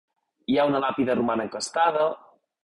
Hi ha una làpida romana encastada.